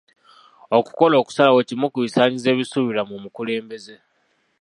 Okukola okusalawo kimu ku bisaanyizo ebisuubirwa mu mukulembeze.